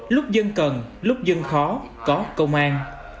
lúc dân cần lúc dân khó có công an